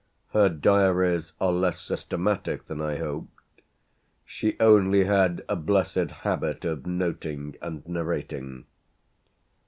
Her diaries are less systematic than I hoped; she only had a blessed habit of noting and narrating.